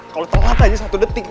kalau tengkat aja satu detik